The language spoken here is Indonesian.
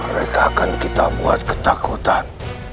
mereka akan kita buat ketakutan